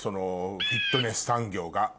フィットネス産業が。